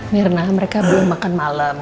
mirna mereka belum makan malam